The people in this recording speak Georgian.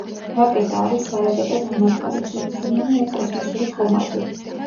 რაკეტა არის სარაკეტო დანადგარი, თვითმფრინავი ან კოსმოსური ხომალდი.